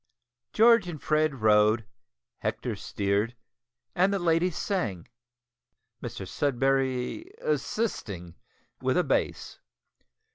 George and Fred rowed, Hector steered, and the ladies sang, Mr Sudberry assisting with a bass.